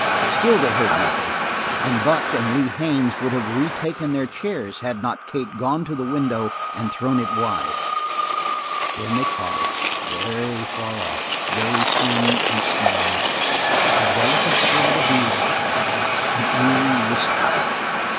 Still they heard nothing, and Buck and Lee Haines would have retaken their chairs had not Kate gone to the window and thrown it wide. Then they caught it, very far off, very thin and small, a delicate thread of music, an eerie whistling.